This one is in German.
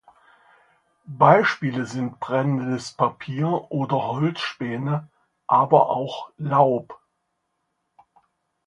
Beispiele sind brennendes Papier oder Holzspäne, aber auch Laub.